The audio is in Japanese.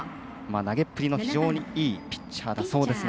投げっぷりの非常にいいピッチャーだそうですが。